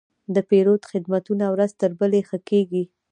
د پیرود خدمتونه ورځ تر بلې ښه کېږي.